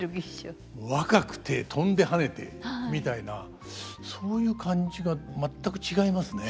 若くて跳んではねてみたいなそういう感じが全く違いますね。